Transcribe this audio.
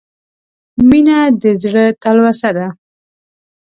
• مینه د زړه تلوسه ده.